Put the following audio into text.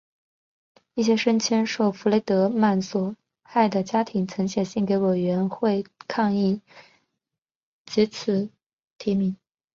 一些声称受弗雷德曼所害的家庭曾写信给委员会抗议此次提名。